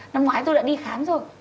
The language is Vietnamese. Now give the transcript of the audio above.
năm ngoái tôi đã đi khám rồi